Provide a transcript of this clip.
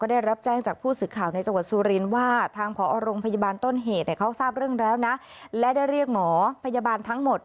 ได้รับแจ้งจากผู้สื่อข่าวในจังหวัดสูรินทร์ว่าทางผอพยาบาลต้นเหตุได้เรียกหมอพยาบาลทั้งหมด